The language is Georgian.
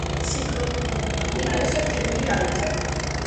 ციკლოპროპანი არის უფერული აირი.